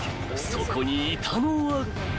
［そこにいたのは］